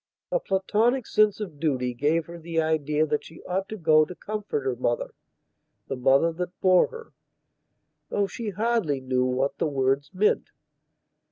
A Platonic sense of duty gave her the idea that she ought to go to comfort her motherthe mother that bore her, though she hardly knew what the words meant.